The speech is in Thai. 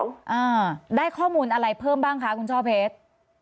อ่าได้ข้อมูลอะไรเพิ่มบ้างคะคุณช่อเพชร